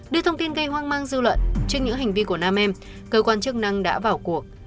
đưa thông tin gây hoang mang dư luận trước những hành vi của nam em cơ quan chức năng đã vào cuộc